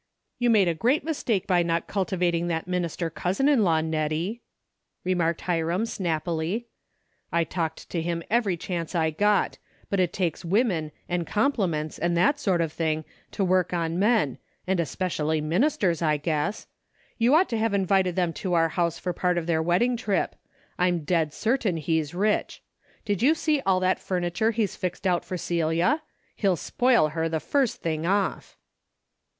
" You made a great mistake by not cultivat ing that minister cousin in law, Nettie," re marked Hiram, snappily. "I talked to him every chance I got, but it takes women and compliments and that sort of thing to work on men, and especially ministers, I guess. You ought to have invited them to our house for part of their wedding trip. I'm dead certain he's rich. Did you see all that furniture he's fixed out for Celia ? He'll spoil her the first thing off."